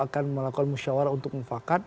akan melakukan musyawarah untuk mufakat